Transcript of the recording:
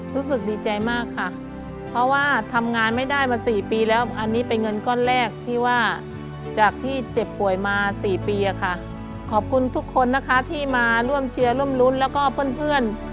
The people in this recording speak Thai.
รู้สึกดีใจมากค่ะเพราะว่าทำงานไม่ได้มา๔ปีแล้วอันนี้เป็นเงินก้อนแรกที่ว่าจากที่เจ็บป่วยมา๔ปีอะค่ะขอบคุณทุกคนนะคะที่มาร่วมเชียร์ร่วมรุ้นแล้วก็เพื่อน